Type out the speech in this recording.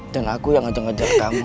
dan aku yang aja ngejar kamu